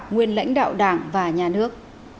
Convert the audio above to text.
nguyên lãnh đạo đảng và nhà nước